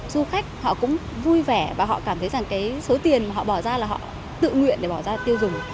du khách họ cũng vui vẻ và họ cảm thấy rằng cái số tiền mà họ bỏ ra là họ tự nguyện để bỏ ra tiêu dùng